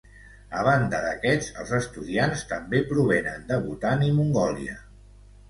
A banda d'aquests, els estudiants també provenen de Bhutan i Mongòlia.